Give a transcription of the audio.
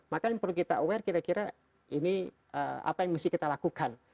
maka yang perlu kita aware kira kira ini apa yang mesti kita lakukan